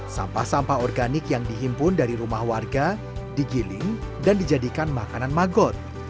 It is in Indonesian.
sampah sampah organik yang dihimpun dari rumah warga digiling dan dijadikan makanan magot